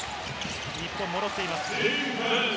日本、戻っています。